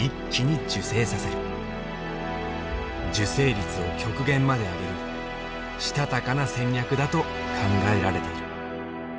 受精率を極限まで上げるしたたかな戦略だと考えられている。